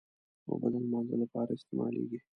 اوبه د لمانځه لپاره استعمالېږي.